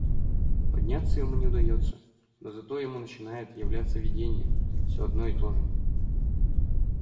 Подняться ему не удаётся, но зато ему начинает являться видение, всё одно и тоже.